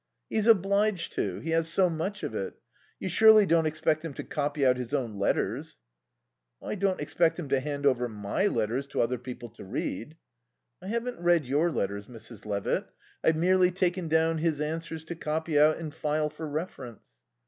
"He's obliged to. He has so much of it. You surely don't expect him to copy out his own letters?" "I don't expect him to hand over my letters to other people to read." "I haven't read your letters, Mrs. Levitt. I've merely taken down his answers to copy out and file for reference."